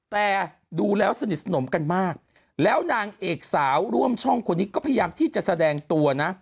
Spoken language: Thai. แต่ดูแล้วสนิทสนมกันมากแล้วนางเอกสาวร่วมช่องคนนี้ก็พยายามที่จะแสดงตัวนะ